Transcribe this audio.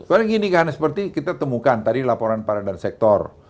karena gini kan seperti kita temukan tadi laporan para dan sektor